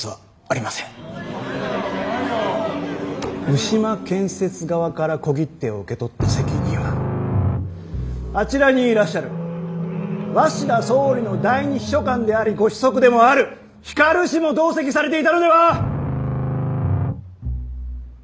牛間建設側から小切手を受け取った席にはあちらにいらっしゃる鷲田総理の第二秘書官でありご子息でもある光氏も同席されていたのでは？